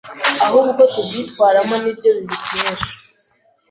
ahubwo uko tubyitwaramo ni byo bibitera